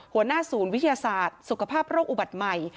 หัวหน้าศูนย์วิทยาศาสตร์สุขภาพโรคอุบัติใหม่